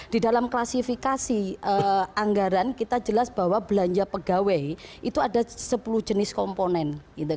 di dalam klasifikasi anggaran kita jelas bahwa belanja pegawai itu ada sepuluh jenis komponen